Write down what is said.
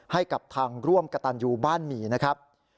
ให้กับทางร่วมกระตันยูบ้านหมี่นะครับ